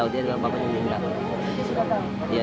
dia tahu bapaknya meninggal